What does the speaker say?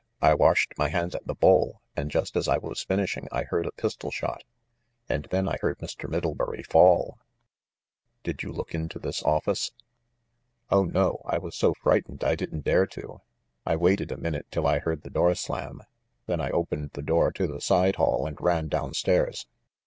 I washed my hands at the bowl, and just as I was finishing I heard a pistol shot, and then I heard Mr. Middlebury fall." "Did you look into this office?" 398 THE MASTER OF MYSTERIES "Oh, no; I was so frightened I didn't dare to. I waited a minute till I heard the door slam: then I opened the door to the side hall and ran down stairs."